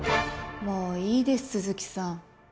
もういいです都築さん。